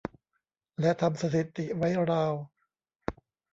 และทำสถิติไว้ราว